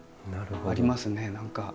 ありますね何か。